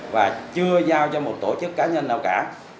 và chưa giao cho một tổ chức cá nhân nào cả